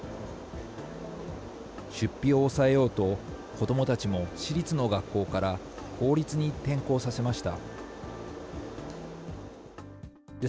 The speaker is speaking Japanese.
出費を抑えようと、子どもたちも私立の学校から公立に転校させました。